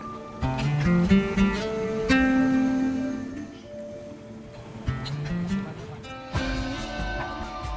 yang sehari hari bekerja sebagai penarik bentor